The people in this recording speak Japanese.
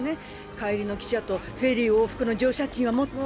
帰りの汽車とフェリー往復の乗車賃は持った？